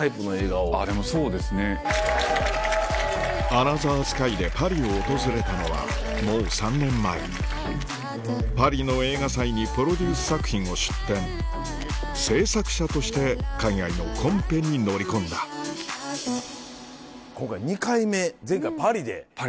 『ＡＮＯＴＨＥＲＳＫＹ』でパリを訪れたのはもう３年前パリの映画祭にプロデュース作品を出展制作者として海外のコンペに乗り込んだ今回２回目前回はパリで。